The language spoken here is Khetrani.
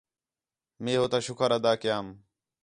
مئے ہو تا شُکر ادا کیام